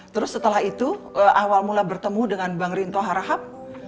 terus setelah itu awal mula bertemu dengan bang rinto harahap